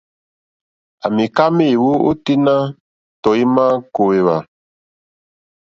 À mìká méèwó óténá tɔ̀ímá kòwèwà.